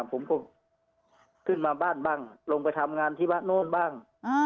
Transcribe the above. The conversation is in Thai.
ผมก็ขึ้นมาบ้านบ้างลงไปทำงานที่วัดโน้นบ้าง